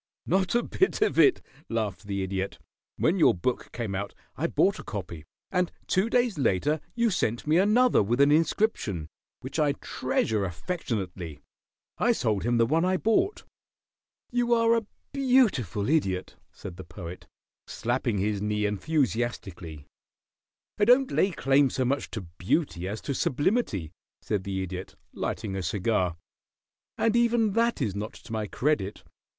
"Not a bit of it," laughed the Idiot. "When your book came out I bought a copy, and two days later you sent me another with an inscription, which I treasure affectionately. I sold him the one I bought." "You are a beautiful Idiot," said the Poet, slapping his knee enthusiastically. "I don't lay claim so much to beauty as to sublimity," said the Idiot, lighting a cigar. "And even that is not to my credit.